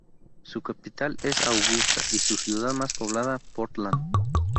Su capital es Augusta y su ciudad más poblada, Portland.